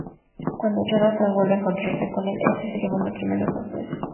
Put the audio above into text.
Cuando Jonathan vuelve a encontrarse con Ellen, este se lleva una tremenda sorpresa.